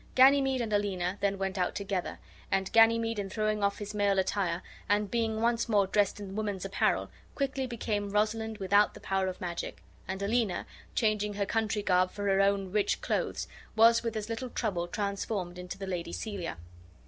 Ganymede and Aliena then went out together, and, Ganymede throwing off his male attire, and being once more dressed in woman's apparel, quickly became Rosalind without the power of magic; and Aliena, changing her country garb for her own rich clothes, was with as little trouble transformed into the lady Celia.